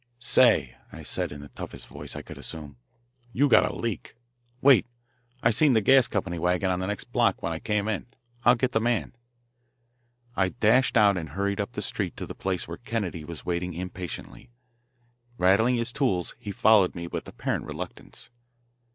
"Say," I said in the toughest voice I could assume, "you got a leak. Wait. I seen the gas company wagon on the next block when I came in. I'll get the man." I dashed out and hurried up the street to the place where Kennedy was waiting impatiently. Rattling his tools, he followed me with apparent reluctance.